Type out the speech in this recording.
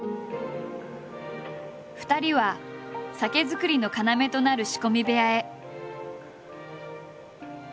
２人は酒造りの要となる仕込み部屋へ。